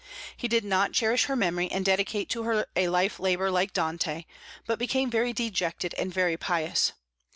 He did not cherish her memory and dedicate to her a life labor, like Dante, but became very dejected and very pious.